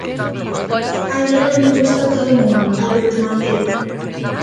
A idea non lle gusta a todo o mundo, Alberto Mancebo...